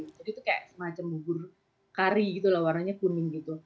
jadi itu seperti semacam bubur kari warnanya kuning